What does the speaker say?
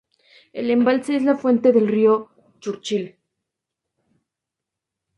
El embalse es la fuente del río Churchill.